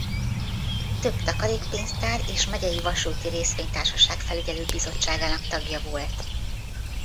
Több takarékpénztár és megyei vasúti részvénytársaság felügyelőbizottságának tagja volt.